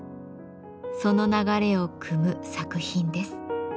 その流れをくむ作品です。